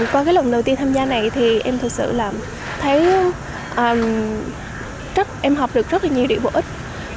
qua lần đầu tiên tham gia này thì em thực sự là thấy em học được rất nhiều điểm bổ ích